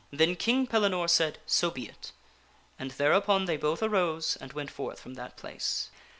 Then King Pellinore said, " So be it," and thereupon they both arose and went forth from that place.